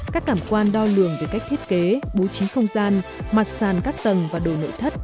các cảm quan đo lường về cách thiết kế bố trí không gian mặt sàn các tầng và đồ nội thất